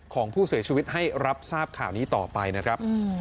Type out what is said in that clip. ของผู้เสียชีวิตให้รับทราบข่าวนี้ต่อไปนะครับ